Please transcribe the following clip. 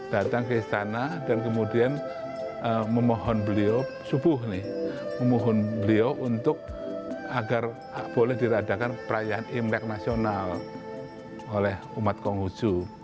datang ke istana dan kemudian memohon beliau subuh nih memohon beliau untuk agar boleh diradakan perayaan imlek nasional oleh umat konghucu